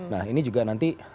nah ini juga nanti